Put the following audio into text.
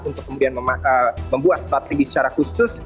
untuk kemudian membuat strategi secara khusus